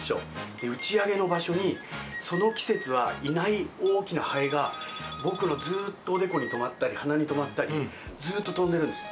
で、打ち上げの場所に、その季節はいない大きなハエが、僕のずっとおでこに止まったり、鼻に止まったり、ずっと飛んでるんですよ。